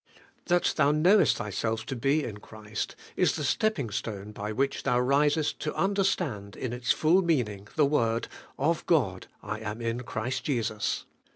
That thou knowest thyself to be in Christ, is the stepping stone by which thou risest to understand in its full meaning the word, 'Of God I am in Christ Jesus.'